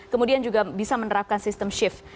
kemudian juga bisa menerapkan sistem shift